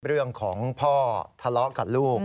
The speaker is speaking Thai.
เรื่องของพ่อทะเลาะกับลูก